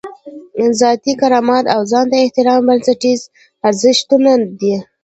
ذاتي کرامت او ځان ته احترام بنسټیز ارزښتونه دي.